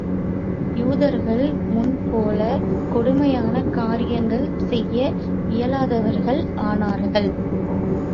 யூதர்கள் முன் போலக் கொடுமையான காரியங்கள் செய்ய இயலாதவர்களானார்கள்.